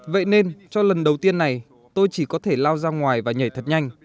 vậy nên cho lần đầu tiên này tôi chỉ có thể lao ra ngoài và nhảy thật nhanh